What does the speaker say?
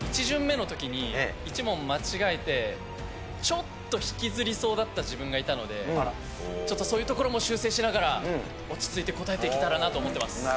１巡目の時に１問間違えてちょっと引きずりそうだった自分がいたのでちょっとそういうところも修正しながら落ち着いて答えていけたらなと思ってます。